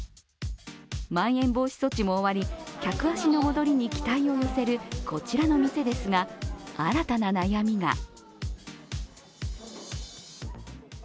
まん延防止措置も終わり客足の戻りに期待を寄せるこちらの店ですが新たな悩みが。